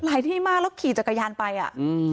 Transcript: หลายที่มาแล้วขี่จากกายานไปอะ